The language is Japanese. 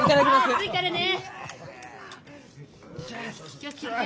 熱いからね！